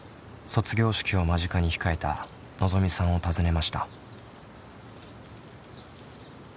卒業式を間近に控えたのぞみさんを訪ねました。